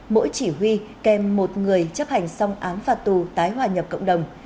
mỗi chỉ huy kèm một người chấp hành xong án phạt tù tái hòa nhập cộng đồng